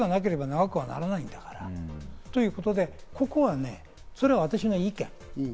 支持がなければ長くならないんだからということで、それは私の意見。